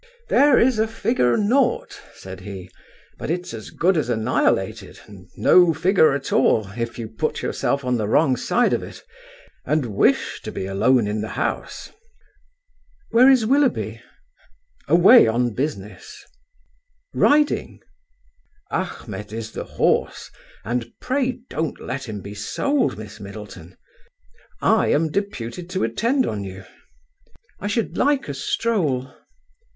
"There is a figure naught," said he, "but it's as good as annihilated, and no figure at all, if you put yourself on the wrong side of it, and wish to be alone in the house." "Where is Willoughby?" "Away on business." "Riding?" "Achmet is the horse, and pray don't let him be sold, Miss Middleton. I am deputed to attend on you." "I should like a stroll."